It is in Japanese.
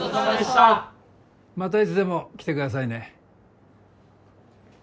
またいつでも来てくださいね。